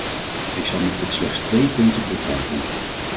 Ik zal mij tot slechts twee punten beperken.